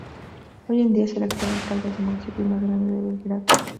Hoy en día es el actual alcalde del municipio más grande de Belgrado.